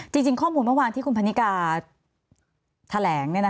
จริงข้อมูลเมื่อวานที่คุณพันนิกาแถลง